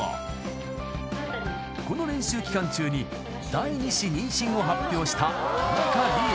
［この練習期間中に第２子妊娠を発表した田中理恵］